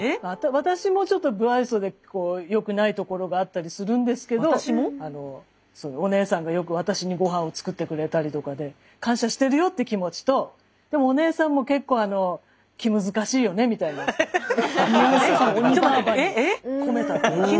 私もちょっとブあいそでよくないところがあったりするんですけどお姉さんがよく私にごはんを作ってくれたりとかで感謝してるよって気持ちとでもお姉さんも結構気難しいよねみたいなニュアンスを「おにばーば」に込めたというね。